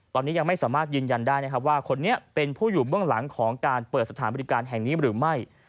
ตอนนี้ยังไม่สามารถยืนยันได้นะครับว่าคนนี้เป็นผู้อยู่เบื้องหลังของการเปิดสถานบริการแห่งนี้หรือไม่